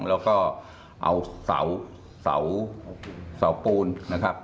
แล้วก็เอาเสาปูนนะครับ